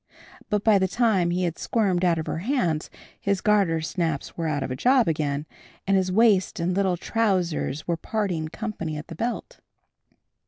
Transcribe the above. But by the time he had squirmed out of her hands his gartersnaps were out of a job again, and his waist and little trousers were parting company at the belt.